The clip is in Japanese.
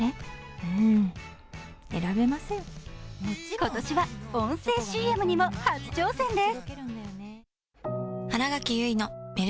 今年は音声ＣＭにも初挑戦です。